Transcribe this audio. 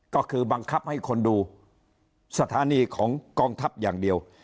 ก็คือบังคับให้คนดูสถานีของกองทัพอย่างเดียว